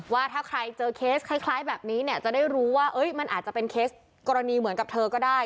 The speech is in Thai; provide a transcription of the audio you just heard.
ว่าถ้าใครเจอเคสคล้ายแบบนี้เนี่ยจะได้รู้ว่ามันอาจจะเป็นเคสกรณีเหมือนกับเธอก็ได้